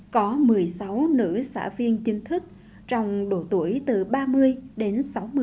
có một mươi sáu nữ xã viên chính thức trong độ tuổi từ ba mươi đến sáu mươi